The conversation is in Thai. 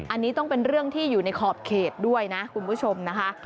อันนี้ต้องเป็นเรื่องที่อยู่ในขอบเขตด้วยนะคุณผู้ชมนะคะ